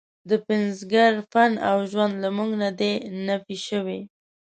د پنځګر فن او ژوند له موږ نه دی نفي شوی.